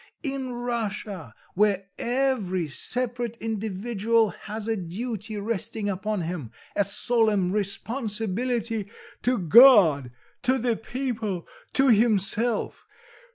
in Russia where every separate individual has a duty resting upon him, a solemn responsibility to God, to the people, to himself.